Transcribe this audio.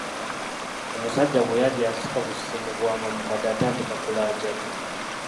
Omusajja bwe yajja yasika busisi muguwa ng’omukadde atandika kulaajana.